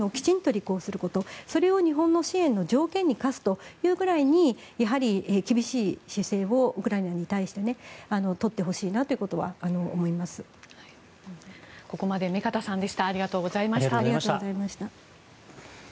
それを日本の支援の条件に課すというぐらいに厳しい姿勢をウクライナに対して取ってほしいなということは思います。